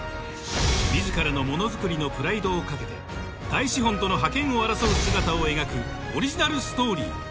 自らのものづくりのプライドをかけて大資本との覇権を争う姿を描くオリジナルストーリー